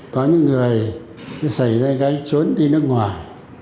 có những người xảy ra cái trốn đi nước ngoài